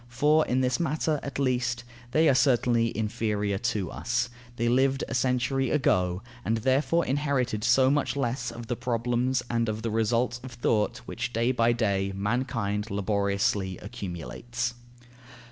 For in this matter, at least, they are certainly inferior to us: they lived a century ago and therefore inherited so much the less of the problems and of the results of thought which day by day mankind laboriously accumulates.